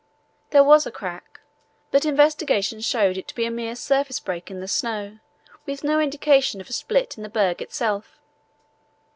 There was a crack, but investigation showed it to be a mere surface break in the snow with no indication of a split in the berg itself.